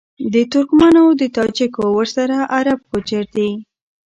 د ترکمــــنــــــو، د تاجـــــــــکــــو، ورســـــره عــــرب گـــوجـــر دي